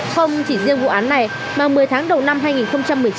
không chỉ riêng vụ án này mà một mươi tháng đầu năm hai nghìn một mươi chín